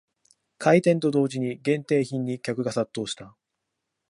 開店と同時に限定品に客が殺到した